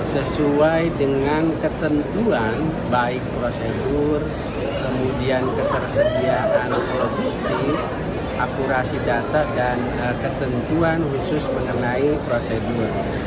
sesuai dengan ketentuan baik prosedur kemudian ketersediaan logistik akurasi data dan ketentuan khusus mengenai prosedur